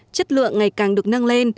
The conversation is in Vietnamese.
chất lượng ngành